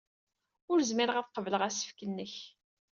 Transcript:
Ur zmireɣ ad qebleɣ asefk-nnek.